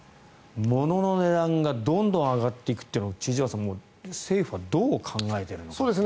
物の値段がどんどん上がっていくというのは千々岩さん、政府はどう考えているのかという。